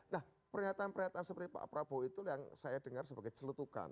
nah pernyataan pernyataan seperti pak prabowo itu yang saya dengar sebagai celetukan